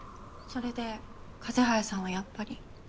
それで風早さんはやっぱり？